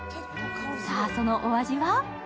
さぁ、そのお味は？